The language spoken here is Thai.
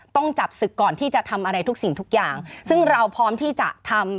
ต้องจับศึกก่อนที่จะทำอะไรทุกสิ่งทุกอย่างซึ่งเราพร้อมที่จะทำ